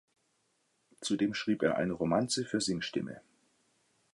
Zudem schrieb er eine Romanze für Singstimme.